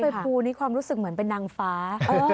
ภูนี่ความรู้สึกเหมือนเป็นนางฟ้า